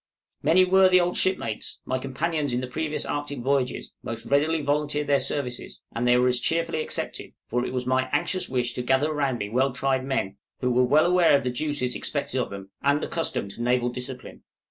Many worthy old shipmates, my companions in the previous Arctic voyages, most readily volunteered their services, and they were as cheerfully accepted, for it was my anxious wish to gather round me well tried men, who were aware of the duties expected of them, and accustomed to naval discipline.